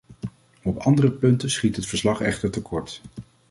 Op andere punten schiet het verslag echter tekort.